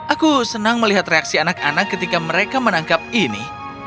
aku senang melihat reaksi anak anak ketika mereka menangkap ini